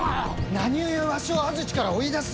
何故わしを安土から追い出す！